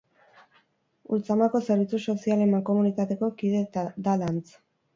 Ultzamako Zerbitzu Sozialen Mankomunitateko kide da Lantz.